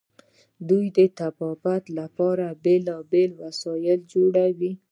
دوی د طبابت لپاره بیلابیل وسایل جوړوي.